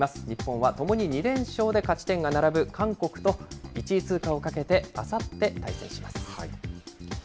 日本はともに２連勝で勝ち点が並ぶ韓国と、１位通過をかけてあさって対戦します。